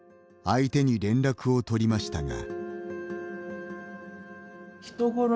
相手に連絡を取りましたが。